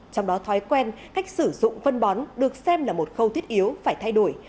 trong đó thói quen cách sử dụng phân bón được xem là một khâu thiết yếu phải thay đổi